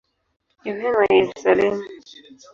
Yohane wa Yerusalemu.